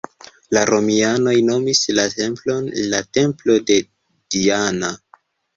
La romianoj nomis la templon la Templo de Diana.